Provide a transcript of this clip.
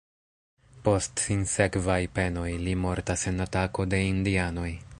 Post sinsekvaj penoj, li mortas en atako de indianoj.